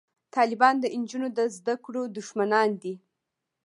طالبان د نجونو د زده کړو دښمنان دي